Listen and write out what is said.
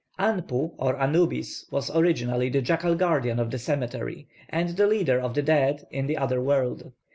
+Anpu+ or +Anubis+ was originally the jackal guardian of the cemetery, and the leader of the dead in the other world.